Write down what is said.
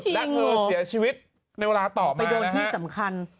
จริงเหรอไปโดนที่สำคัญและเธอเสียชีวิตในเวลาต่อมานะครับ